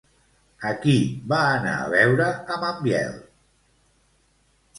A qui va anar a veure amb en Biel?